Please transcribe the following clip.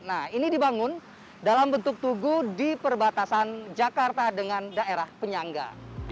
nah ini dibangun dalam bentuk tugu di perbatasan jakarta dengan daerah penyangga